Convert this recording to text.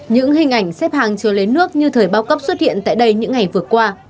những hình ảnh xếp hàng chờ lấy nước như thời bao cấp xuất hiện tại đây những ngày vừa qua